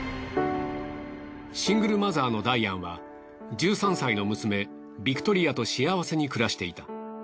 シングルマザーのダイアンは１３歳の娘ビクトリアと幸せに暮らしていた。